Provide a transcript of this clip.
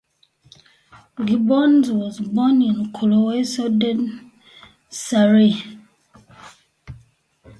Gibbons was born in Coulsdon, Surrey.